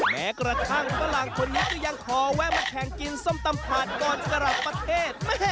แม้กระทั่งฝรั่งคนนี้ก็ยังขอแวะมาแข่งกินส้มตำผ่านก่อนกลับประเทศ